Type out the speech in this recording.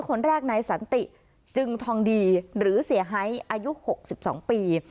คนแรกนายสันติจึงทองดีหรือเสียหายอายุ๖๒ปี